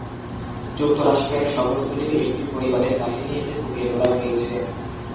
যুক্তরাষ্ট্রের শহরতলীর একটি পরিবারের কাহিনী এতে ফুটিয়ে তোলা হয়েছে।